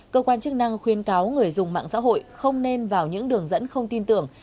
cơ quan chức năng khuyên cáo người dùng mạng xã hội không nên vào những đường dẫn không tin tưởng